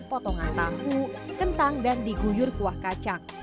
potongan tahu kentang dan diguyur kuah kacang